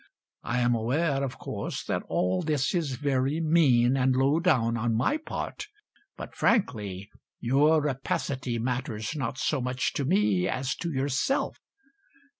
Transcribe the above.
I am aware, of course, That all this is very mean And low down On my part, But frankly Your rapacity Matters not so much to me As to yourself.